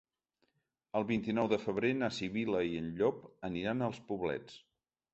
El vint-i-nou de febrer na Sibil·la i en Llop aniran als Poblets.